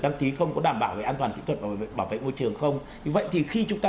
đăng ký không có đảm bảo về an toàn sự cập vào váy môi trường không thì vậy thì khi chúng ta